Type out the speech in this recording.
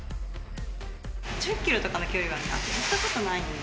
１０キロとかの距離は走ったことないんで。